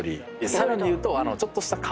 さらに言うと。